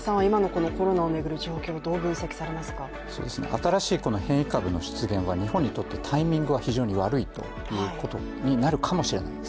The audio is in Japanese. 新しい変異株の出現は日本にとってタイミングが非常に悪いということになるかもしれないです。